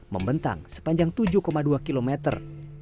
membentang sepanjang tujuh dua kilometer